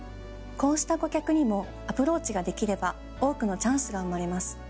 こうした顧客にもアプローチができれば多くのチャンスが生まれます。